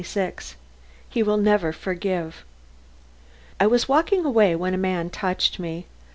XXVI "HE WILL NEVER FORGIVE" I was walking away when a man touched me.